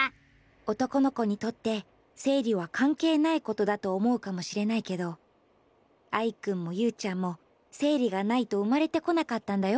男の子にとって生理はかんけいないことだと思うかもしれないけどアイくんもユウちゃんも生理がないと生まれてこなかったんだよ。